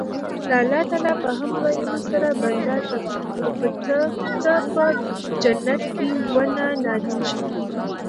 د الله تعالی په حمد ويلو سره بنده ته په جنت کي وَنه ناليږي